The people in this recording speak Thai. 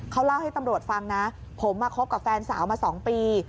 เขาเล่าให้ตำรวจฟังนะผมมาคบกับแฟนสาวมา๒ปี